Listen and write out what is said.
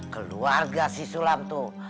keluarga si sulam tuh